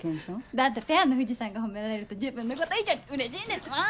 だってペアの藤さんが褒められると自分のこと以上にうれしいんですもん！